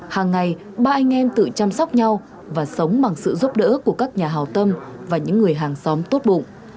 hàng ngày ba anh em tự chăm sóc nhau và sống bằng sự giúp đỡ của các nhà hào tâm và những người hàng xóm tốt bụng